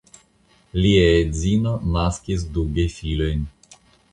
Lia edzino naskis du gefilojn.